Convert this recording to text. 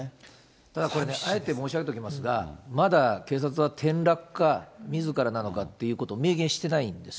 ただこれ、あえて申し上げておきますが、まだ警察は転落か、みずからなのかっていうことを明言してないんです。